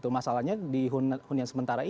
masalahnya di hunian sementara ini